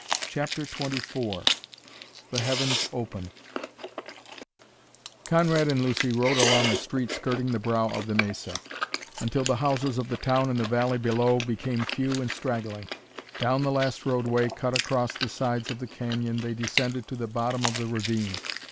CHAPTER XXIV THE HEAVENS OPEN Conrad and Lucy rode along a street skirting the brow of the mesa until the houses of the town in the valley below became few and straggling. Down the last roadway cut across the sides of the canyon they descended to the bottom of the ravine.